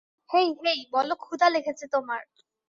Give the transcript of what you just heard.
হেই, hey, বলো ক্ষুধা লেগেছে তোমার।